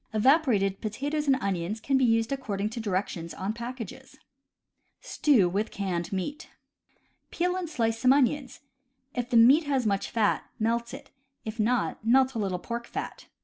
Evaporated potatoes and onions can be used accord ing to directions on packages. Stew ivith Canned Meat. — Peel and slice some onions. If the meat has much fat, melt it; if not, melt a little pork fat.